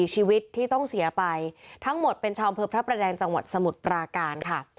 ชีวิตที่ต้องเสียไปทั้งหมดเป็นชาวอำเภอพระประแดงจังหวัดสมุทรปราการค่ะ